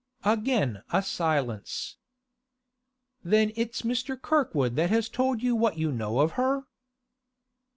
Again a silence. 'Then it's Mr. Kirkwood that has told you what you know of her?